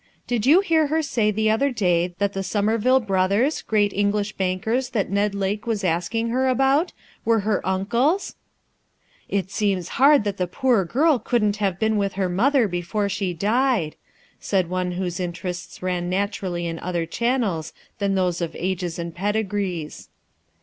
Did you hear her say the other day that the Somerville brothers, great English bankers that Ned Lake Was asking her about, were her uncles ?" "It seems hard that the poor girl couldn't have been with her mother before she died," said one whose interests ran naturally in other channels than those of ages and pedigrees.